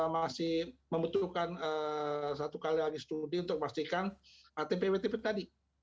masih membutuhkan satu kali lagi studi untuk memastikan atp wtp tadi